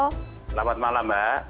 selamat malam mbak